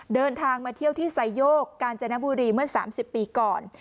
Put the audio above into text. เดินทางมาเที่ยวที่ไซโยกกาญจนบุรีเมื่อ๓๐ปีก่อน